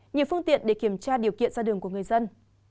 nhiều phương tiện để kiểm tra điều kiện ra đường của người dân